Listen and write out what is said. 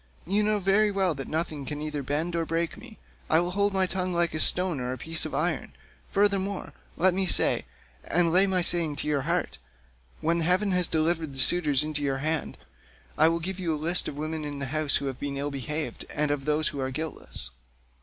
You know very well that nothing can either bend or break me. I will hold my tongue like a stone or a piece of iron; furthermore let me say, and lay my saying to your heart, when heaven has delivered the suitors into your hand, I will give you a list of the women in the house who have been ill behaved, and of those who are guiltless."